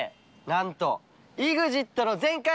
なんとＥＸＩＴの全開！！